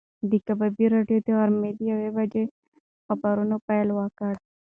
د کبابي راډیو د غرمې د یوې بجې په خبرونو پیل وکړ.